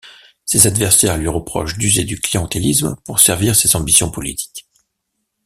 Ses adversaires lui reprochent d'user du clientélisme pour servir ses ambitions politiques.